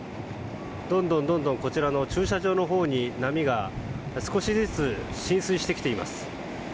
どんどんこちらの駐車場のほうに波が少しずつ浸水してきています。